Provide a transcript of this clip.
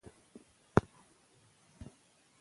هغه د صفوي رژیم پرزوونکی ګڼل کیږي.